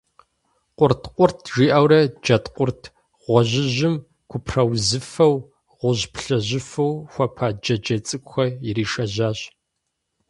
Къурт–къурт, жиӀэурэ джэдкъурт гъуэжьыжьым купраузыфэу, гъуэжь–плъыжьыфэу хуэпа джэджьей цӀыкӀухэр иришэжьащ.